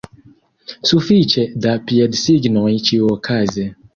Sufiĉe da piedsignoj ĉiuokaze!